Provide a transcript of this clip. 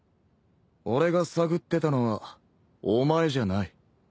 俺が探ってたのはお前じゃない。